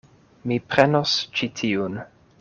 Mi prenos ĉi tiun.